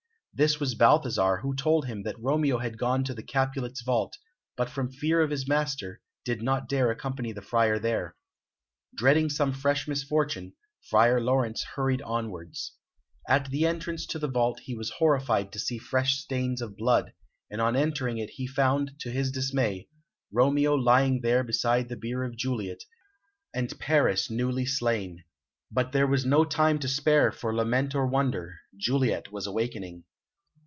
This was Balthasar, who told him that Romeo had gone to the Capulets' vault, but from fear of his master, did not dare accompany the Friar there. Dreading some fresh misfortune, Friar Laurence hurried onwards. At the entrance to the vault he was horrified to see fresh stains of blood, and on entering it he found, to his dismay, Romeo lying there beside the bier of Juliet, and Paris newly slain. But there was no time to spare for lament or wonder; Juliet was awakening.